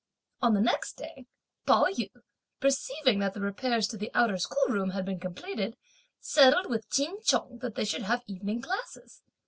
On the next day, Pao yü perceiving that the repairs to the outer schoolroom had been completed, settled with Ch'in Chung that they should have evening classes.